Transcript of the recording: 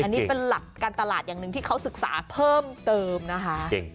อันนี้เป็นหลักการตลาดอย่างหนึ่งที่เขาศึกษาเพิ่มเติมนะคะ